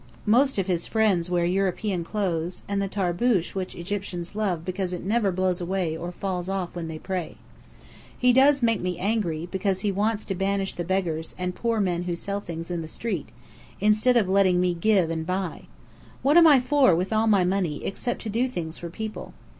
Most of his friends wear European clothes, and the tarboosh which Egyptians love because it never blows away or falls off when they pray. He does make me angry, because he wants to banish the beggars and poor men who sell things in the street, instead of letting me give and buy. What am I for, with all my money, except to do things for people?